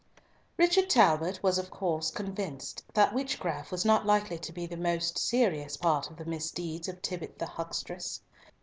Richard Talbot was of course convinced that witchcraft was not likely to be the most serious part of the misdeeds of Tibbott the huckstress.